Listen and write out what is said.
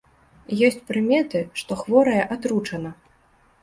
Ёсць прыметы, што хворая атручана.